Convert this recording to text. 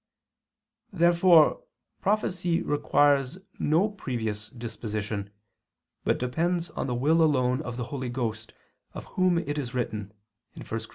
Therefore prophecy requires no previous disposition, but depends on the will alone of the Holy Ghost, of Whom it is written (1 Cor.